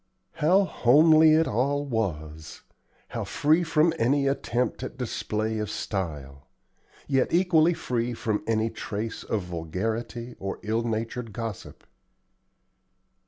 How homely it all was! how free from any attempt at display of style! yet equally free from any trace of vulgarity or ill natured gossip.